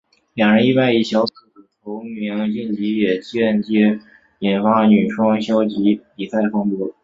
两人意外以小组头名晋级也间接引发女双消极比赛风波。